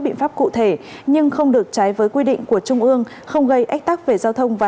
biện pháp cụ thể nhưng không được trái với quy định của trung ương không gây ách tắc về giao thông và